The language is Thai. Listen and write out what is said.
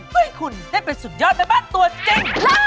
เพื่อให้คุณได้เป็นสุดยอดแม่บ้านตัวจริง